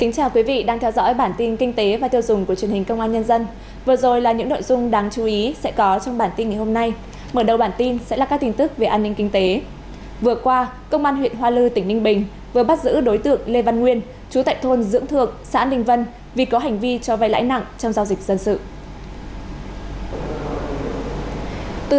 các bạn hãy đăng ký kênh để ủng hộ kênh của chúng mình nhé